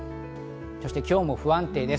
そして今日も不安定です。